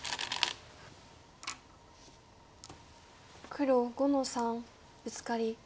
黒５の三ブツカリ。